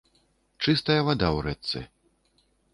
Чыстая вада ў рэчцы.